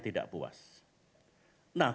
tidak puas nah